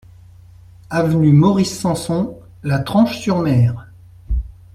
Avenue Maurice Samson, La Tranche-sur-Mer